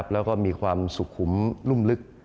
แล้วก็มีความสุขุมรุ่มลึก